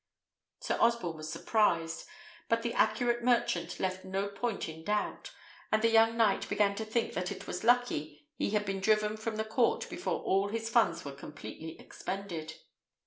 Sir Osborne was surprised; but the accurate merchant left no point in doubt, and the young knight began to think that it was lucky he had been driven from the court before all his funds were completely expended.